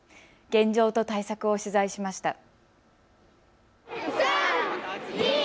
現状と対策を取材しました。